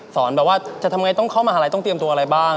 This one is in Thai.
แบบว่าจะทำไงต้องเข้ามหาลัยต้องเตรียมตัวอะไรบ้าง